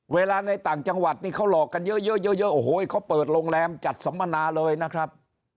ในต่างจังหวัดนี่เขาหลอกกันเยอะเยอะโอ้โหเขาเปิดโรงแรมจัดสัมมนาเลยนะครับ